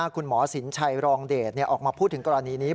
คุณหมอสินชัยรองเดชออกมาพูดถึงกรณีนี้